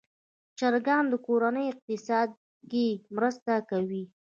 چرګان د کورنۍ اقتصاد کې مرسته کوي.